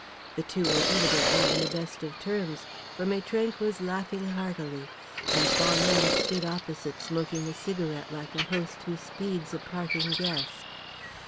The two were evidently on the best of terms, for Maitrank was laughing heartily, and Balmayne stood opposite smoking a cigarette like a host who speeds a parting guest.